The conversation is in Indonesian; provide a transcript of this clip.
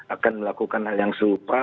akan melakukan hal yang serupa